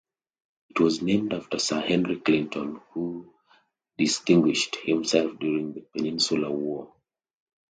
It was named after Sir Henry Clinton, who distinguished himself during the Peninsular War.